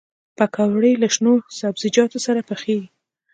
پکورې له شنو سابهجاتو سره پخېږي